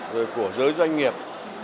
rồi của giới doanh nghiệp